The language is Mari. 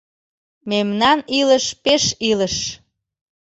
Мемнан илыш пеш илыш...